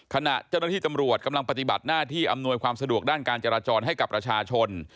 ขณะเจ้าหน้าที่ตำรวจกำลังปฏิบัติหน้าที่อำนวยความสะดวกด้านการจราจรให้กับประชาชน